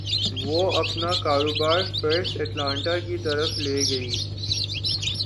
وہ اپنا کاروبار فرسٹ اٹلانٹا کی طرف لے گئی